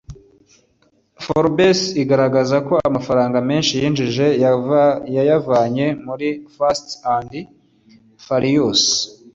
Forbes igaragaza ko amafaranga menshi yinjije yayavanye muri ’Fast and Furious’